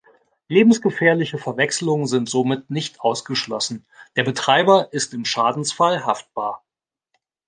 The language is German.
Lebensgefährliche Verwechselungen sind somit nicht ausgeschlossen, der Betreiber ist im Schadensfall haftbar.